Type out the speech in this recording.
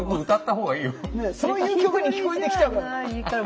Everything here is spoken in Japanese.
そういう曲に聞こえてきちゃうから。